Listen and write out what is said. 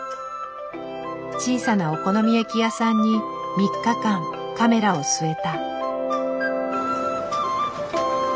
小さなお好み焼き屋さんに３日間カメラを据えた。